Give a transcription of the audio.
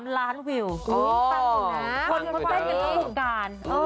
๓ล้านวิวอุ้ยตั้งอยู่นะฮะตั้งอยู่ด้วย